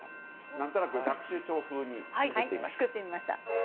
何となく学習帳風に作ってみました。